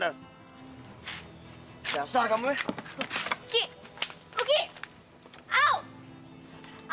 dasar kamu eh